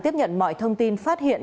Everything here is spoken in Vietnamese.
tiếp nhận mọi thông tin phát hiện